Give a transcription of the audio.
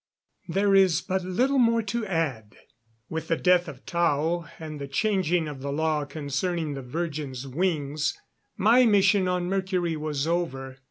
There is but little more to add. With the death of Tao and the changing of the law concerning the virgins' wings, my mission on Mercury was over.